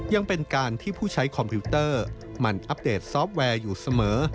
ยังเป็นการที่ผู้ใช้คอมพิวเตอร์มันอัปเดตซอฟต์แวร์อยู่เสมอ